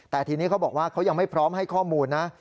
แต่ทีนี้เขาบอกว่าเขายังไม่พร้อมให้ข้อมูลนะ